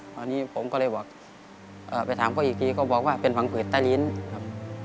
ตอนนี้ผมก็เลยบอกไปถามเขาอีกทีก็บอกว่าเป็นผังผืดใต้ลิ้นครับ